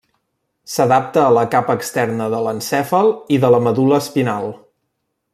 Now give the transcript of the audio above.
S'adapta a la capa externa de l'encèfal i de la medul·la espinal.